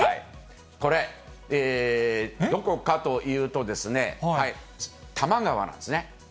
これ、どこかというと、多摩川なんですね。